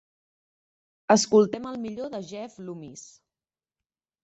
Escoltem el millor de Jeff Loomis.